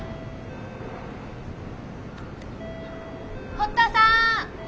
堀田さん。